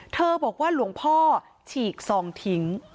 บอกว่าหลวงพ่อฉีกซองทิ้ง